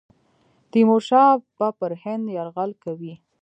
تیمورشاه به پر هند یرغل کوي.